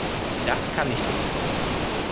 Das kann ich nicht.